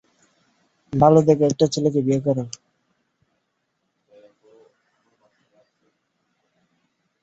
ভালো দেখে একটা ছেলেকে বিয়ে করা।